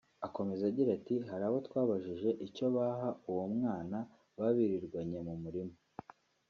Akomeza agira ati “Hari abo twabajije icyo baha uwo mwana baba birirwanye mu murima